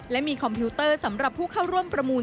และมีคอมพิวเตอร์สำหรับผู้เข้าร่วมประมูล